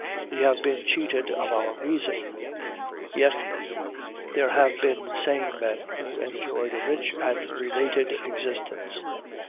We have been cheated of our reason; yet there have been sane men who enjoyed a rich and related existence.